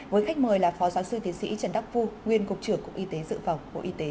với khách mời là phó giáo sư tiến sĩ trần đắc phu nguyên cục trưởng cục y tế dự phòng bộ y tế